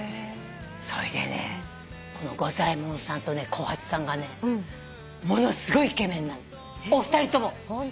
それでねこの五左衛門さんとね幸八さんがねものすごいイケメンなのお二人とも写真で見たの。